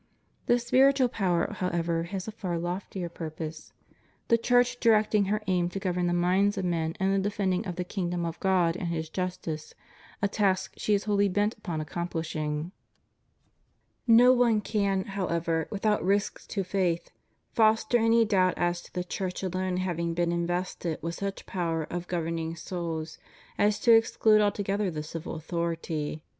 The spiritual power, however, has a far loftier purpose, the Church directing her aim to govern the minds of men in the defending of the kingdom of God, and His justice,^ a task she is wholly bent upon accomplishing. »Matt. vi. 33. 196 CHIEF DUTIES OF CHRISTIANS AS CITIZENS. No one can, however, without risk to faith, foster any doubt as to the Church alone having been invested with such power of governing souls as to exclude altogether the civil authority.